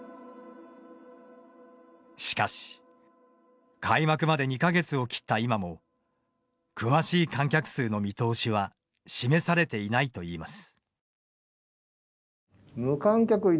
しかし、開幕まで２か月を切った今も、詳しい観客数の見通しは示されていないといいます。